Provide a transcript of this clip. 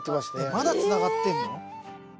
まだつながってんの？